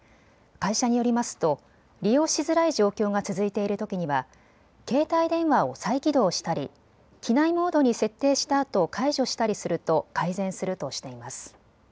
会社によりますと利用しづらい状況が続いているときには携帯電話を再起動したり機内モードに設定したあと解除したりすると改善するとしています。